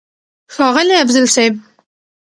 ښاغلی افضل صيب!!